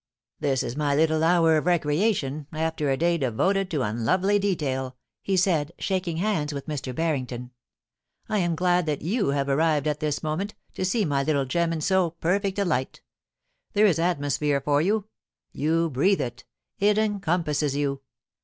* This is my little hour of recreation, after a day devoted to unlovely detail,' he said, shaking hands with Mr. Barring ton. * I am glad that you have arrived at this moment, to see my little gem in so perfect a light There is atmosphere for you ) you breathe it — it encompasses you.